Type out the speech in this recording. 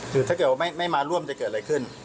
คือถ้าเกิดว่าไม่มาร่วมจะเกิดอะไรขึ้น